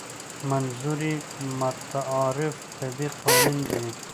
منظور یې متعارف طبیعي قوانین دي.